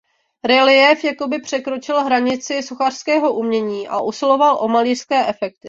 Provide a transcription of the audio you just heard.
Reliéf jakoby překročil hranici sochařského umění a usiloval o malířské efekty.